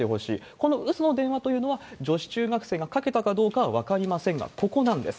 このうその電話というのは、女子中学生がかけたかどうかは分かりませんが、ここなんです。